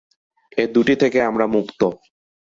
এ দুটি থেকে আমরা মুক্ত।